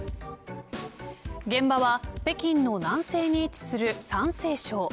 現場は北京の南西に位置する山西省。